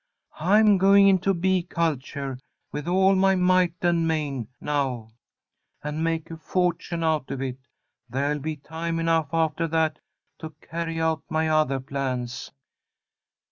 I'm going into bee culture with all my might and main, now, and make a fortune out of it. There'll be time enough after that to carry out my other plans.